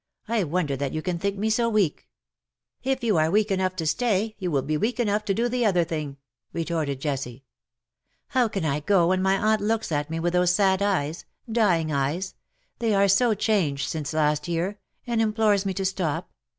I wonder that you can think me so weak."^ " If you are weak enough to stay, you will be weak enough to do the other thing/^ retorted Jessie. " How can I go when my aunt looks at me with those sad eyes, dying eyes — they are so changed since last year — and implores me to stop?